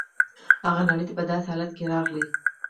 هغه نړۍ ته په داسې حالت کې راغلی.